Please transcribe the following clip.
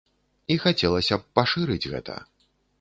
І хацелася б пашырыць гэта.